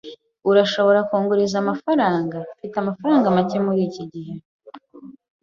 Urashobora kunguriza amafaranga? Mfite amafaranga make muri iki gihe.